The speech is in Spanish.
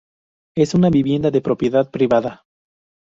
Es una vivienda de propiedad privada.